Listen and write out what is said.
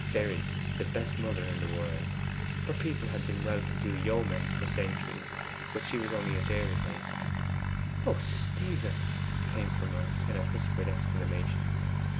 'Very the best mother in the world. Her people had been well to do yeomen for centuries, but she was only a dairymaid.' 'O Stephen!' came from her in whispered exclamation.